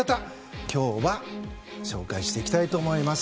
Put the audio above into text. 今日は紹介していきたいと思います。